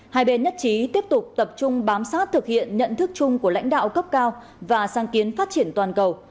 hai bên nhất trí tiếp tục tập trung bám sát thực hiện nhận thức chung của lãnh đạo cấp cao và sang kiến phát triển toàn cầu